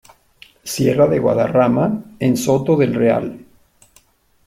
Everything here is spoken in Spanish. Sierra de Guadarrama, en Soto del Real.